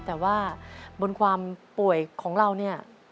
แต่ว่าบนความป่วยของเราเนี่ย